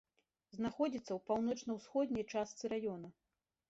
Знаходзіцца ў паўночна-ўсходняй частцы раёна.